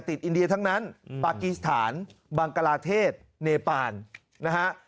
อินเดียทั้งนั้นปากีสถานบังกลาเทศเนปานนะฮะ